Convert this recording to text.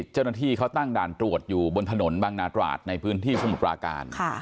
เจ้าหน้าที่เขาตั้งด่านตรวจอยู่บนถนนบางนาตราดในพื้นที่สมุทรปราการ